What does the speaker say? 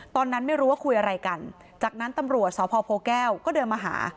ตอนนั้นไม่รู้ว่าคุยอะไรกันจากนั้นตำรวจสพโพแก้วก็เดินมาหา